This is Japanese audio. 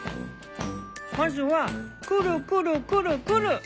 まずはくるくるくるくる！